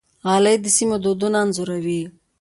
غالۍ د سیمې دودونه انځوروي.